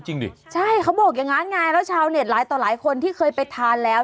ดิใช่เขาบอกอย่างนั้นไงแล้วชาวเน็ตหลายต่อหลายคนที่เคยไปทานแล้ว